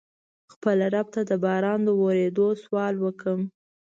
خپل رب ته د باران د ورېدو سوال وکړم.